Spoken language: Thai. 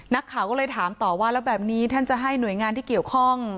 นักข่าวก็เลยถามต่อว่าแล้วแบบนี้ท่านจะให้หน่วยงานที่เกี่ยวข้อง